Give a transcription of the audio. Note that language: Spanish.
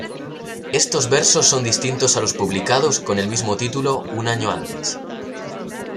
Estos versos son distintos a los publicados con el mismo título un año antes.